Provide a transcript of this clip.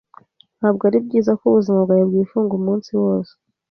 Ntabwo ari byiza ko ubuzima bwawe bwifunga umunsi wose.